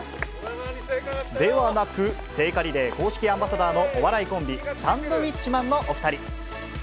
ではなく、聖火リレー公式アンバサダーのお笑いコンビ、サンドウィッチマンのお２人。